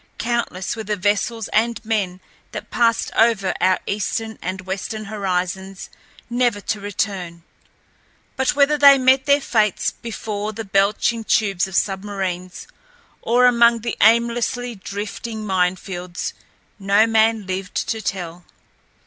Countless were the vessels and men that passed over our eastern and western horizons never to return; but whether they met their fates before the belching tubes of submarines or among the aimlessly drifting mine fields, no man lived to tell.